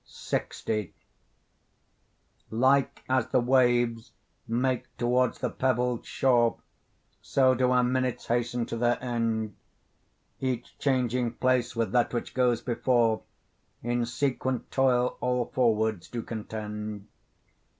LX Like as the waves make towards the pebbled shore, So do our minutes hasten to their end; Each changing place with that which goes before, In sequent toil all forwards do contend.